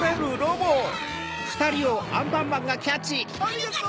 ありがとう。